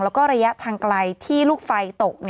แล้วก็ระยะทางไกลที่ลูกไฟตก